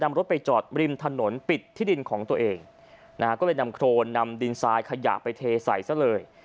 รถไปจอดริมถนนปิดที่ดินของตัวเองนะฮะก็เลยนำโครนนำดินทรายขยะไปเทใส่ซะเลย